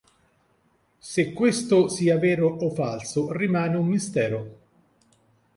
Se questo sia vero o falso rimane un mistero.